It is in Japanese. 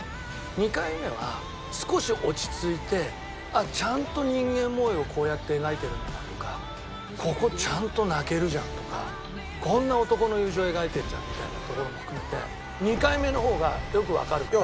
２回目は少し落ち着いてちゃんと人間模様をこうやって描いてるんだとかここちゃんと泣けるじゃんとかこんな男の友情描いてるじゃんみたいなところも含めて２回目の方がよくわかるから。